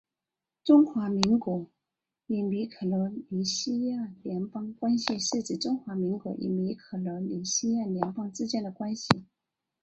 中华民国与密克罗尼西亚联邦关系是指中华民国与密克罗尼西亚联邦之间的关系。